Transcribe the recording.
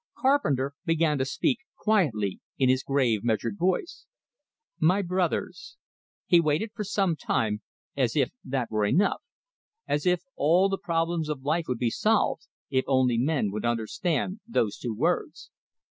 Carpenter began to speak, quietly, in his grave, measured voice. "My brothers!" He waited for some time, as if that were enough; as if all the problems of life would be solved, if only men would understand those two words.